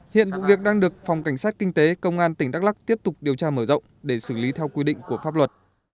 hiện vụ việc đang được phòng cảnh sát kinh tế công an tỉnh đắk lắc tiếp tục điều tra mở rộng để xử lý theo quy định của pháp luật